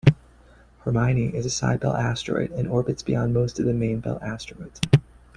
Hermione is a Cybele asteroid and orbits beyond most of the main-belt asteroids.